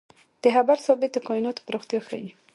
د هبل ثابت د کائناتو پراختیا ښيي.